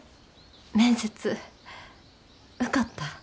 面接受かった。